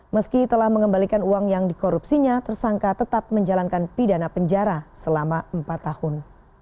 meski telah mengembalikan uang yang dikorupsinya tersangka tetap menjalankan pidana penjara selama empat tahun